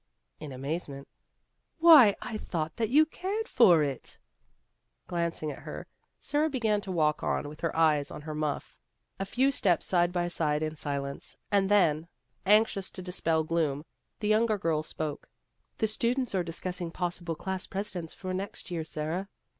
In amazement, " Why, I thought that you cared for it !" Glancing at her, Sara began to walk on with her eyes on her muff. A few steps side by side in silence, and then, anxious to dispel gloom, the younger girl spoke :" The students are discussing possible class presidents for next year, Sara.